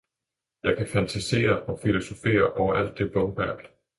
Jeg kan fantasere og filosofere over alt det bogværk.